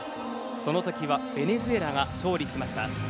その時はベネズエラが勝利しました。